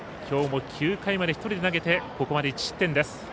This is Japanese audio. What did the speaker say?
きょうも９回まで１人で投げてここまで１失点です。